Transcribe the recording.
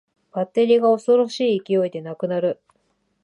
バッテリーが恐ろしい勢いでなくなる